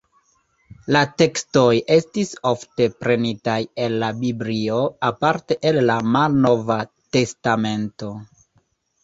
La tekstoj estis ofte prenitaj el la Biblio, aparte el la Malnova testamento.